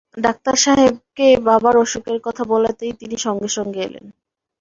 Doctor সাহেবকে বাবার অসুখের কথা বলাতেই তিনি সঙ্গে-সঙ্গে এলেন।